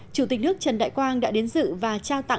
chủ tịch nước trần đại quang đã đến dự và trao tặng